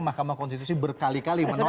mahkamah konstitusi berkali kali menolak